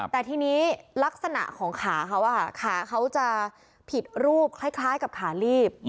แต่ทีนี้ลักษณะของขาเขาขาเขาจะผิดรูปคล้ายกับขาลีบ